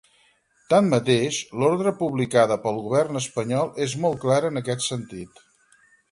Tanmateix, l’orde publicada pel govern espanyol és molt clara en aquest sentit.